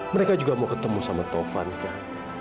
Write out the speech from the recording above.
mereka juga mau ketemu sama taufan kan